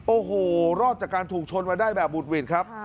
โอ้โหรอดจากการถูกชนมาได้แบบบุดหวิดครับ